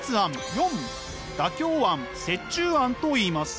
④！妥協案・折衷案といいます。